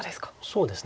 そうですね。